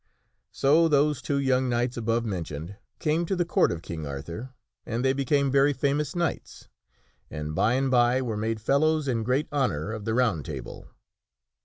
So those two young knights above mentioned came to the Court of King Arthur, and they became very famous knights, and by and by were made fellows in great honor of the Round Table.